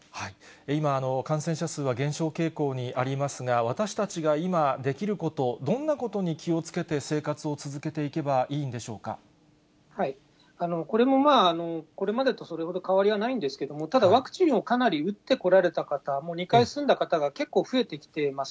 今、感染者数は減少傾向にありますが、私たちが今できること、どんなことに気をつけて生活を続これも、これまでとそれほど変わりはないんですけども、ただ、ワクチンをかなり打ってこられた方、もう２回済んだ方が結構増えてきてます。